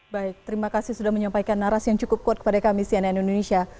baik terima kasih sudah menyampaikan narasi yang cukup kuat kepada kami cnn indonesia